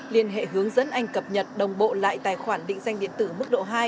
liên hệ hướng dẫn anh cập nhật đồng bộ lại tài khoản định danh điện tử mức độ hai